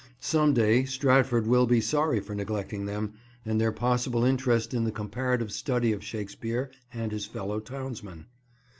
Some day Stratford will be sorry for neglecting them and their possible interest in the comparative study of Shakespeare and his fellow townsmen.